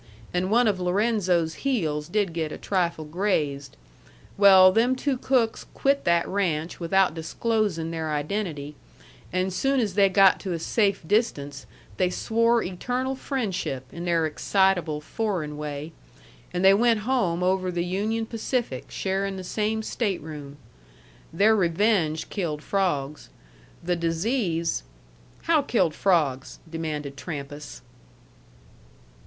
And one of Lorenzo's heels did get a trifle grazed. Well, them two cooks quit that ranch without disclosin' their identity, and soon as they got to a safe distance they swore eternal friendship, in their excitable foreign way. And they went home over the Union Pacific, sharing the same stateroom. Their revenge killed frawgs. The disease " "How killed frogs?" demanded Trampas.